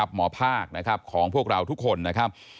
หมอภาคนะครับของพวกเราทุกคนนะครับ